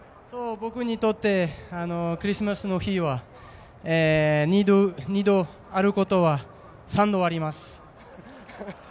僕にとってクリスマスの日は２度あることは３度あります。